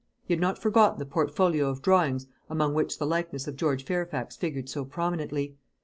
He had not forgotten the portfolio of drawings among which the likeness of George Fairfax figured go prominently.